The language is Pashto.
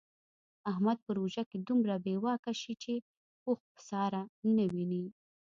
احمد په روژه کې دومره بې واکه شي چې اوښ په ساره نه ویني.